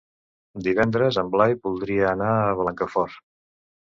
Divendres en Blai voldria anar a Blancafort.